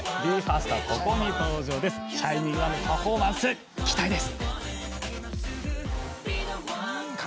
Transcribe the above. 「ＳｈｉｎｉｎｇＯｎｅ」のパフォーマンス、期待です！